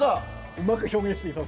うまく表現して頂いて。